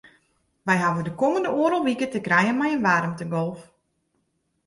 Wy hawwe de kommende oardel wike te krijen mei in waarmtegolf.